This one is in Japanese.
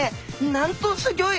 なんとすギョい！